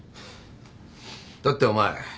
だってお前